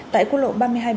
tại quốc lộ ba mươi hai b